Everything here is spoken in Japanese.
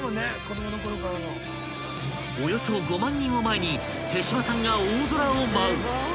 ［およそ５万人を前に手島さんが大空を舞う］